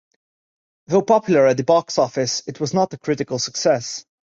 Though popular at the box office, it was not a critical success.